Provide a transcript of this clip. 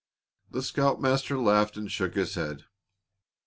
The scoutmaster laughed and shook his head.